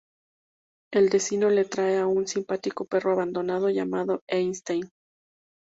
El destino le trae a un simpático perro abandonado llamado Einstein.